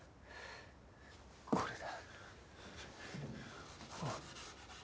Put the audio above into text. これだ。